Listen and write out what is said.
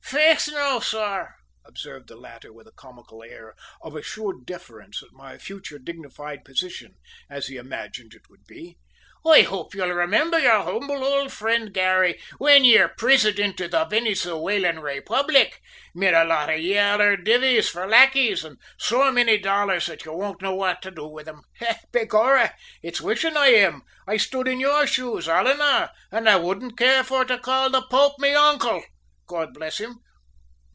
"Faith, now, sor!" observed the latter, with a comical air of assured deference at my future dignified position, as he imagined it would be, "I hope ye'll remember ye'r humble ould fri'nd Garry whim ye're Prisidint of the Venezuelan Raypublic, mid a lot of yaller divvles for lackeys, an' so many dollars that ye won't know what to do wid 'em. Begorrah, it's wishin' I am, I stood in ye'r shoes, alannah, an' I wouldn't care for to call the Pope me ouncle, God bless him!"